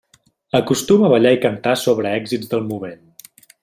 Acostuma a ballar i cantar sobre èxits del moment.